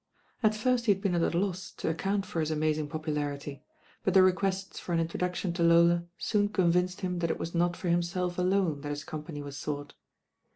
At first he had been at a loss to account for his amazing popularity; but the requests for an intro duction to Lola soon convinced him that it was not for himself alone that his company was sought.